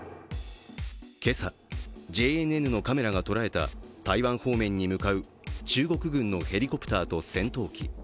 今朝、ＪＮＮのカメラがとらえた台湾方面に向かう中国軍のヘリコプターと戦闘機。